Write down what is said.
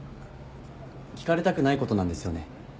聞かれたくないことなんですよね？